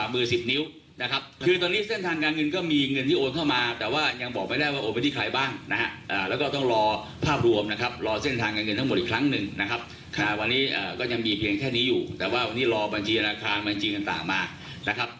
เพื่อจะได้ความเชื่อมโดงมากกว่านี้นะครับ